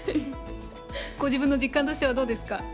ご自分の実感としてはどうですか。